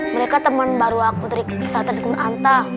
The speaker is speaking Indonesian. mereka temen baru aku dari pesantren kunaanta